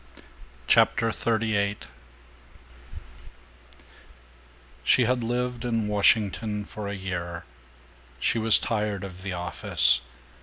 CHAPTER XXXVIII SHE had lived in Washington for a year. She was tired of the office.